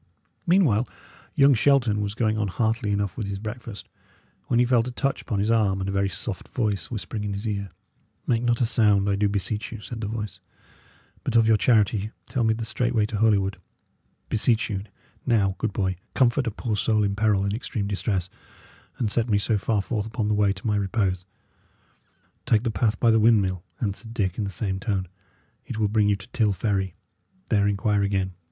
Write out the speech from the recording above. Meanwhile, young Shelton was going on heartily enough with his breakfast, when he felt a touch upon his arm, and a very soft voice whispering in his ear. "Make not a sign, I do beseech you," said the voice, "but of your charity tell me the straight way to Holywood. Beseech you, now, good boy, comfort a poor soul in peril and extreme distress, and set me so far forth upon the way to my repose." "Take the path by the windmill," answered Dick, in the same tone; "it will bring you to Till Ferry; there inquire again."